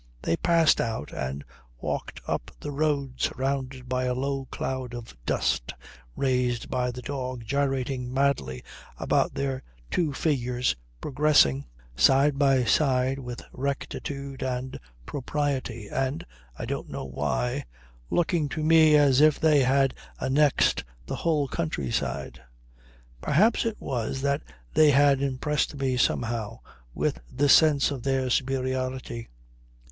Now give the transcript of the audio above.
They passed out and walked up the road surrounded by a low cloud of dust raised by the dog gyrating madly about their two figures progressing side by side with rectitude and propriety, and (I don't know why) looking to me as if they had annexed the whole country side. Perhaps it was that they had impressed me somehow with the sense of their superiority.